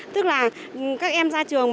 tức là các em ra trường